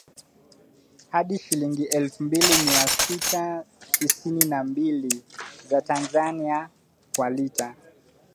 hadi shilingi elfu mbili mia sita tisini na mbili za Tanzania kwa lita